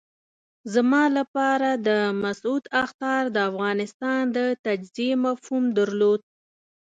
زما لپاره د مسعود اخطار د افغانستان د تجزیې مفهوم درلود.